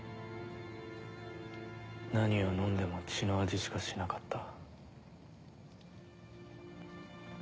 何を飲んでも血の味しかしなかった。